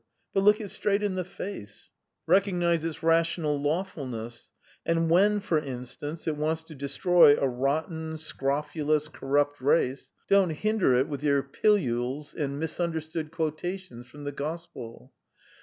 but look it straight in the face, recognise its rational lawfulness, and when, for instance, it wants to destroy a rotten, scrofulous, corrupt race, don't hinder it with your pilules and misunderstood quotations from the Gospel.